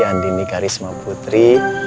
andini karisma putri